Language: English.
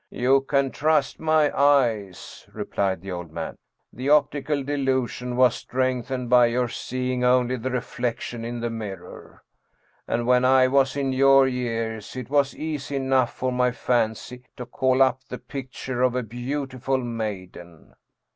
" You can trust my eyes," replied the old man. " The optical delusion was strengthened by your seeing only the reflection in the mirror. And when I was in your years it was easy enough for my fancy to call up the picture of a beautiful maiden."